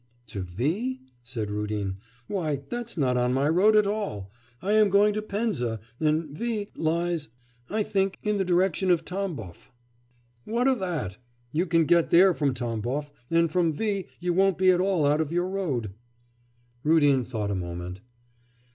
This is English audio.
'To V ?' said Rudin. 'Why, that's not on my road at all. I am going to Penza, and V lies, I think, in the direction of Tamboff.' 'What of that? you can get there from Tamboff, and from V you won't be at all out of your road.' Rudin thought a moment.